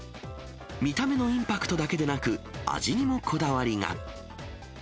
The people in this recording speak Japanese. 見た目のインパクトだけでなく、味にもこだわりが。